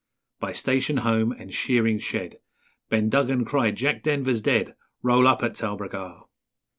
_By station home And shearing shed Ben Duggan cried, 'Jack Denver's dead! Roll up at Talbragar!'